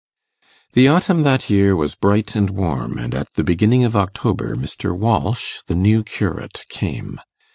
The autumn that year was bright and warm, and at the beginning of October, Mr. Walsh, the new curate, came.